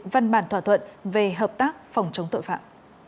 văn bản thỏa thuận về hợp tác phòng chống tội phạm